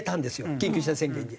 緊急事態宣言に。